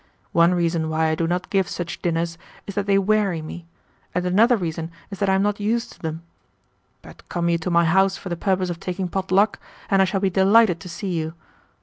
One reason why I do not give such dinners is that they weary me; and another reason is that I am not used to them. But come you to my house for the purpose of taking pot luck, and I shall be delighted to see you.